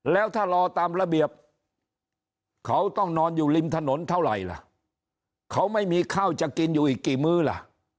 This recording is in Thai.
แล้วถ้ารอตามระเบียบเขาต้องนอนอยู่ริมถนนเท่าไหร่ล่ะเขาไม่มีข้าวจะกินอยู่อีกกี่มื้อล่ะ